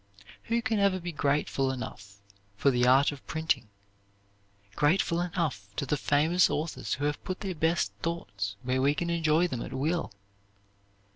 Who can ever be grateful enough for the art of printing; grateful enough to the famous authors who have put their best thoughts where we can enjoy them at will?